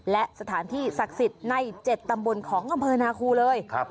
และสถานที่ศักดิ์สิทธิ์ใน๗ตำบลของอำเภอนาคูเลย